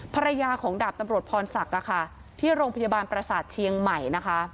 ภรรยาของดาบตำรวจพรศักดิ์ที่โรงพยาบาลประสาทเชียงใหม่นะคะ